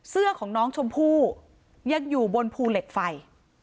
เสื้อของน้องชมพู่ยังอยู่บนภูเหล็กไฟ